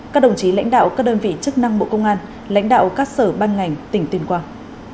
các đồng chí lãnh đạo các đơn vị chức năng bộ công an lãnh đạo các sở ban ngành tỉnh tuyên quang